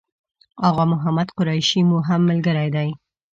آغا محمد قریشي مو هم ملګری دی.